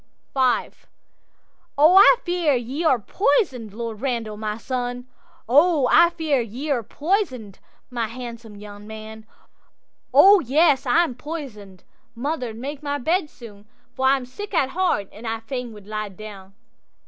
'V'O I fear ye are poison'd, Lord Randal, my son!O I fear ye are poison'd, my handsome young man!'—'O yes! I am poison'd; mother, make my bed soon, For I'm sick at the heart, and I fain wald lie down.